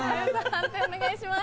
判定お願いします。